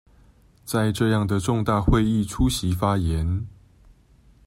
在這樣的重大會議出席發言